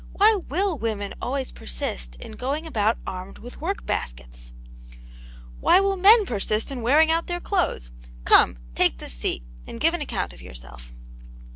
Why will women always persist in going about armed with work baskets ?" "Why will men persist in wearing out their clothes } Come, take this seat, and give an account of yourself."